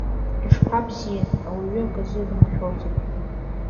Ишԥа бзиаз, ауаҩы аказы дымшәозар.